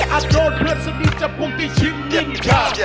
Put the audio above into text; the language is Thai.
อาจโดนเพื่อนสนิทจำกงติชิ้นยิ่งทาง